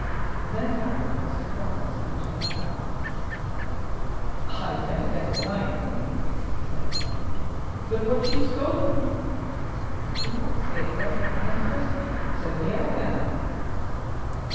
Then Harry crossed to Florence and took her hand. "I never get a line from you," he said, laughing, "but what you scold me. I think I escape better when I am present; so here I am."